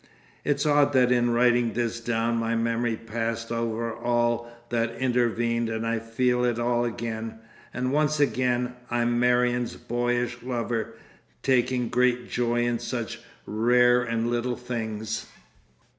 It's odd that in writing this down my memory passed over all that intervened and I feel it all again, and once again I'm Marion's boyish lover taking great joy in such rare and little things.